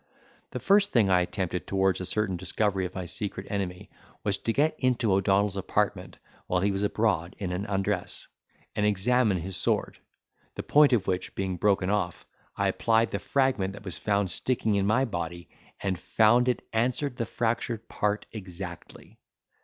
The first thing I attempted towards a certain discovery of my secret enemy, was to get into O'Donnell's apartment, while he was abroad in an undress, and examine his sword, the point of which being broken off, I applied the fragment that was found sticking in my body, and found it answered the fractured part exactly.